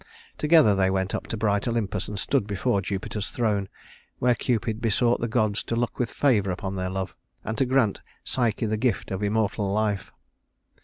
Together they went up to bright Olympus and stood before Jupiter's throne, where Cupid besought the gods to look with favor upon their love and to grant to Psyche the gift of immortal life.